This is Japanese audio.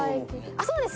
あそうです。